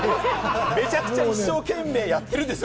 めちゃくちゃ一生懸命やってるんですよ！